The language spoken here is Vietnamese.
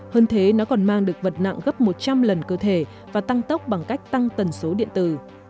hơn thế nó còn mang được vật nặng gấp một trăm linh lần cơ thể và tăng tốc bằng cách tăng tần số điện tử